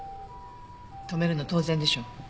止めるの当然でしょ。